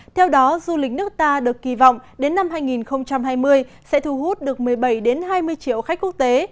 theo đó du lịch nước ta được kỳ vọng đến năm hai nghìn hai mươi sẽ thu hút được một mươi bảy hai mươi triệu khách quốc tế